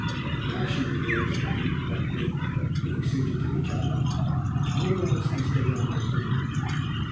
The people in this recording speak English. Let the passion and the instrument but meet, being suited to each other, and all else must go down before them.